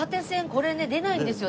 これね出ないんですよ